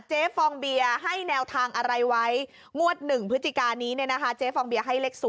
ฟองเบียร์ให้แนวทางอะไรไว้งวด๑พฤศจิกานี้เนี่ยนะคะเจ๊ฟองเบียร์ให้เลข๐